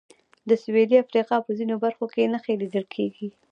د سوېلي افریقا په ځینو برخو کې نښې لیدل کېږي.